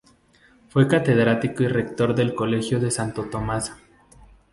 Fue catedrático y rector del Colegio de Santo Tomás.